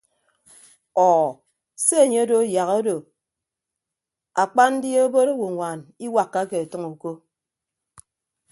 Ọọ se enye odo yak odo akpa ndi obod owoñwan iwakkake ọtʌñ uko.